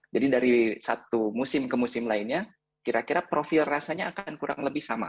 jadi dari satu musim ke musim lainnya kira kira profil rasanya akan kurang lebih sama